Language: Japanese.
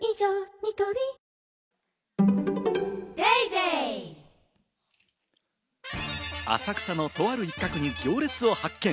ニトリ浅草のとある一角に行列を発見。